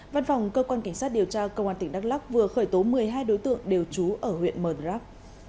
văn phòng cơ quan cảnh sát điều tra công an tỉnh đắk lắc vừa khởi tố một mươi hai đối tượng đều trú ở huyện mờ rắc